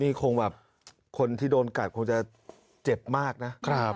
นี่คงแบบคนที่โดนกัดคงจะเจ็บมากนะ